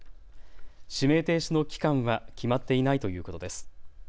指名停止の期間は決まっていないということです。